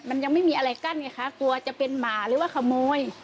มันยังไม่มีอะไรกั้นไงคะกลัวจะเป็นหมาหรือว่าขโมย